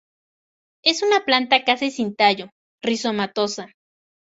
Es una planta casi sin tallo, rizomatosa.